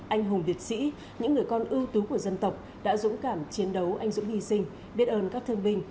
anh hùng liệt sĩ những người con ưu tú của dân tộc đã dũng cảm chiến đấu anh dũng hy sinh biết ơn các thương binh